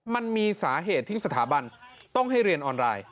มันมีสาเหตุที่สถาบันต้องให้เรียนออนไลน์